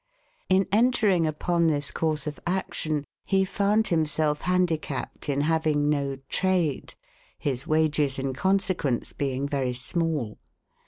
In entering upon this course of action, he found himself handicapped in having no trade, his wages in consequence being very small.